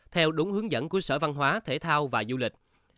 theo đúng hướng dẫn của sở văn hóa thể thao và du lịch